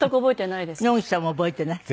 野口さんも覚えてない？